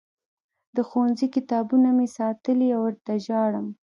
د ښوونځي کتابونه مې ساتلي او ورته ژاړم